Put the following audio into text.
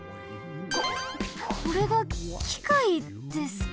ここれがきかいですか。